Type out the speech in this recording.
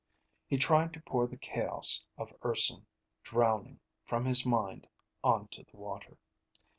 He tried to pour the chaos of Urson drowning from his mind onto the water.